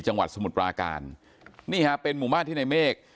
จังหวัดสมุดปราการนี่ฮะเป็นหมู่บ้านที่ในเมฆ